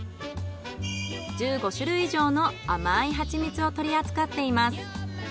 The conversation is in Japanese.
１５種類以上の甘いはちみつを取り扱っています。